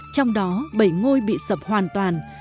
trong đó bảy ngôi bị sập hoàn toàn